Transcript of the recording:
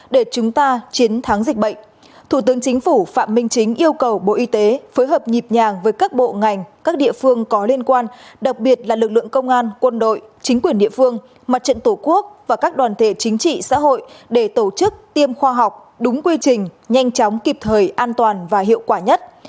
để chúng ta chiến thắng dịch bệnh thủ tướng chính phủ phạm minh chính yêu cầu bộ y tế phối hợp nhịp nhàng với các bộ ngành các địa phương có liên quan đặc biệt là lực lượng công an quân đội chính quyền địa phương mặt trận tổ quốc và các đoàn thể chính trị xã hội để tổ chức tiêm khoa học đúng quy trình nhanh chóng kịp thời an toàn và hiệu quả nhất